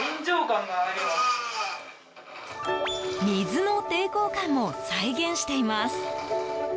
水の抵抗感も再現しています。